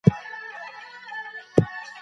يوه داسې زمانه به تېره شوې وي چې کتاب نه و.